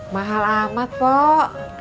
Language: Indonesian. mahal amat pok